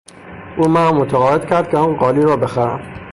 او مرا متقاعد کرد که آن قالی را بخرم.